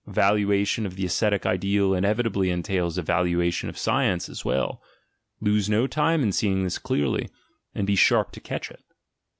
A valuation of the ascetic ideal inevi tably entails a valuation of science as well; lose no time in seeing this clearly, and be sharp to catch it!